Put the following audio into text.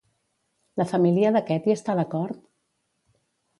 La família d'aquest hi està d'acord?